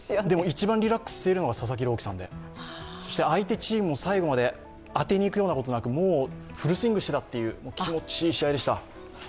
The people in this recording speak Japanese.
でも一番リラックスしているのが佐々木朗希さんで、相手チームも最後まで当てにいくようなことなく、もう、フルスイングしていたっていう、気持ちいい試合でした。